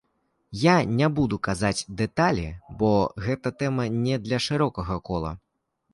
Я не буду казаць дэталі, бо гэта тэма не для шырокага кола.